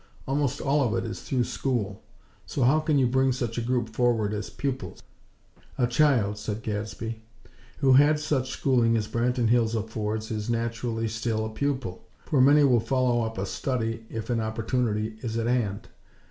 Almost all of it is through school. So how can you bring such a group forward as 'pupils?'" "A child," said Gadsby, "who had such schooling as Branton Hills affords is, naturally, still a pupil; for many will follow up a study if an opportunity is at hand.